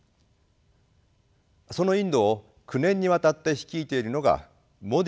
そのインドを９年にわたって率いているのがモディ首相です。